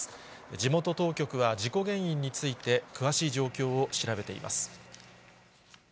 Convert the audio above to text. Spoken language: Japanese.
地元当局は事故原因について詳しい状況を調べています。